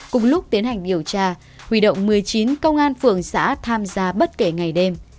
cùng lúc tiến hành điều tra huy động một mươi chín công an phường xã tham gia bất kể ngày đêm